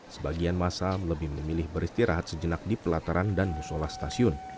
sebagian masa lebih memilih beristirahat sejenak di pelataran dan musola stasiun